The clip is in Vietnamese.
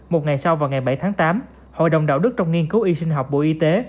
một ngày sau vào ngày bảy tháng tám hội đồng đạo đức trong nghiên cứu y sinh học bộ y tế